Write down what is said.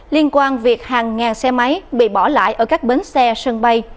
liên quan việc hàng ngàn xe máy bị bỏ lại ở các bến xe sân bay